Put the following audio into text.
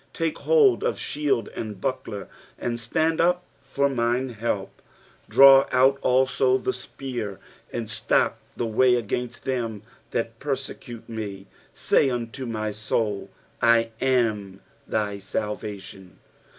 2 Take hold of shield and buckler, and stand up for mine help. 3 Draw out also the spear, and stop the way against them that persecute me : say unto my soul, I am thy salvation.